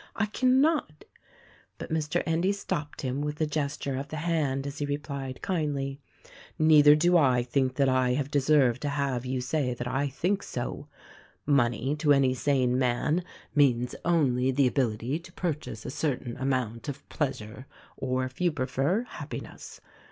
I cannot —" But Mr. Endy stopped him with a gesture of the hand as he replied kindly, "Neither do I think that I have deserved to have you say that I think so. Money, to any sane man, means only the ability to purchase a certain amount of pleasure, or, if you prefer, happiness.